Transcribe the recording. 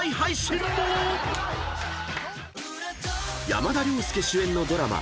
［山田涼介主演のドラマ